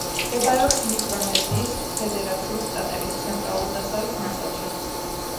მდებარეობს მიკრონეზიის ფედერაციული შტატების ცენტრალურ-დასავლეთ ნაწილში.